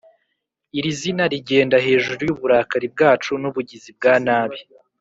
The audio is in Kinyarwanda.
"iri zina rigenda hejuru y'uburakari bwacu n'ubugizi bwa nabi,